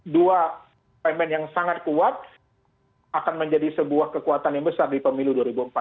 dua pemain yang sangat kuat akan menjadi sebuah kekuatan yang besar di pemilu dua ribu empat belas